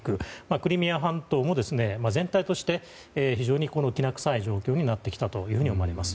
クリミア半島も全体として非常にきな臭い状況になってきたと思われます。